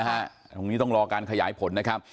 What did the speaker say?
คนไหนอะไรยังไงนะฮะตรงนี้ต้องรอการขยายผลนะครับ